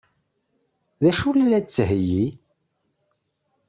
D acu ay la d-tettheyyi?